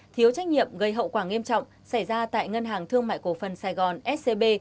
thiếu trách nhiệm gây hậu quả nghiêm trọng xảy ra tại ngân hàng thương mại cổ phần sài gòn scb